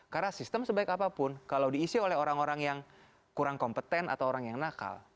karena sistem sebaik apapun kalau diisi oleh orang orang yang kurang kompeten atau orang yang nakal